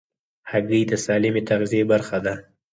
هګۍ د سالمې تغذیې برخه ده.